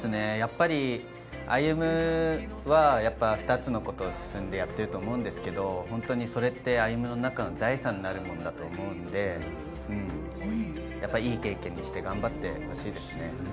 歩夢は２つのことを進んでやっていると思うんですけど、それって歩夢の中の財産になるもんだと思うので、いい経験にして頑張ってほしいですね。